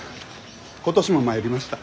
今年も参りました。